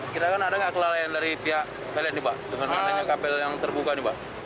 kita kan ada nggak kelalaian dari pihak pln nih mbak dengan adanya kabel yang terbuka nih mbak